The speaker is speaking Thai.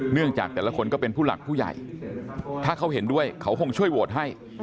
เนื่องจากแต่ละคนก็เป็นผู้หลักผู้ใหญ่ถ้าเขาเห็นด้วยเขาคงช่วยโหวตให้